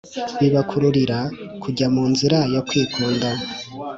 bibakururira kujya mu nzira yo kwikunda